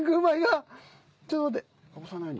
ちょっと待って。